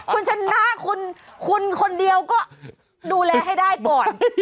คุณชนะคุณคนเดียวก็ดูแลให้ได้ก่อน